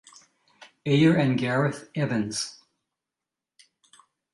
Ayer and Gareth Evans.